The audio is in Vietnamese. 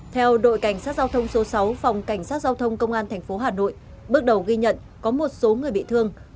theo đội cảnh sát giao thông số sáu phòng cảnh sát giao thông công an tp hà nội bước đầu ghi nhận có một số người bị thương